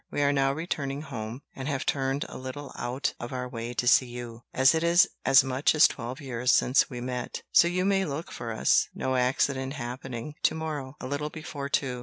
We are now returning home, and have turned a little out of our way to see you, as it is as much as twelve years since we met; so you may look for us, no accident happening, to morrow, a little before two.